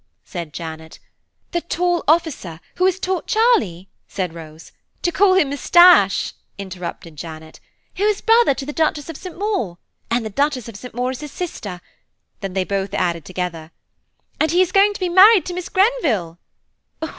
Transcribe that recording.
said Janet. "The tall officer who has taught Charlie–" said Rose. "To call him Moustache," interrupted Janet. "Who is brother to the Duchess of St. Maur–" "And the Duchess of St. Maur is his sister." Then they both added together, "And he is going to be married to Miss Grenville."